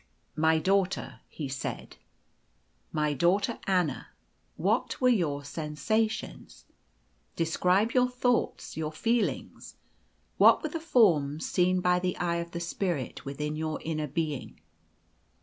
"My daughter," he said, "my daughter Anna; what were your sensations? Describe your thoughts, your feelings? What were the forms seen by the eye of the spirit within your inner being?"